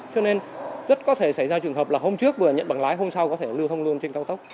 cho nên rất có thể xảy ra trường hợp là hôm trước vừa nhận bằng lái hôm sau có thể lưu thông luôn trên cao tốc